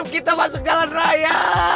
kita masuk jalan raya